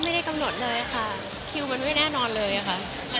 ไม่ได้กำหนดเลยค่ะคิวมันไม่แน่นอนเลยค่ะ